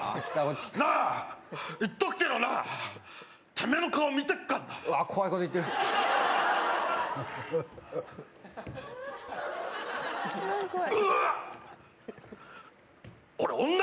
なあ、言っとくけどな、てめえの顔、見てっからな。